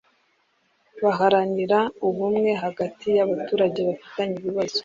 baharanira ubumwe hagati y’abaturage bafitanye ibibazo